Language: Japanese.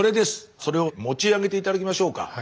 それを持ち上げて頂きましょうか。